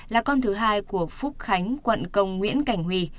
là con thứ hai của phúc khánh quận công nguyễn cảnh huy